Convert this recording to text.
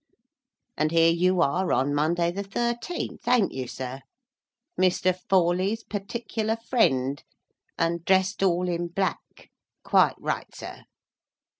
And here you are on Monday the thirteenth, ain't you, sir? Mr. Forley's particular friend, and dressed all in black—quite right, sir!